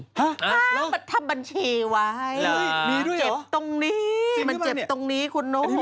ฮะห้ามันทำบัญชีไว้เจ็บตรงนี้มันเจ็บตรงนี้คุณโหนวโหนวโหนวโหนว